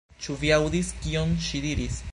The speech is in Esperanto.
Ĉu vi aŭdis kion ŝi diris?